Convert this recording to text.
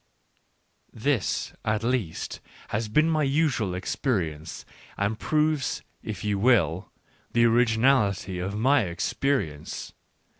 ... This, at least, has been my usual experi ence, and proves, if you will, the originality of my experience.